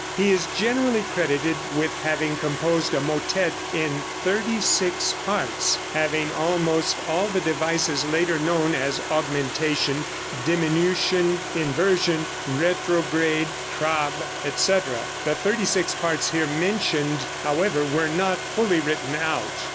He is generally credited with having composed a motette in thirty six parts having almost all the devices later known as augmentation, diminution, inversion, retrograde, crab, etc. The thirty six parts here mentioned, however, were not fully written out.